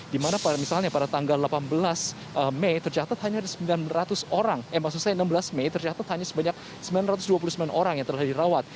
dimana misalnya pada tanggal delapan belas mei tercatat hanya ada sembilan ratus orang eh maksud saya enam belas mei tercatat hanya sebanyak sembilan ratus dua puluh sembilan orang yang telah dirawat